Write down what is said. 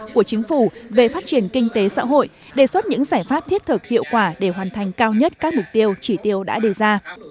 của chính phủ về phát triển kinh tế xã hội đề xuất những giải pháp thiết thực hiệu quả để hoàn thành cao nhất các mục tiêu chỉ tiêu đã đề ra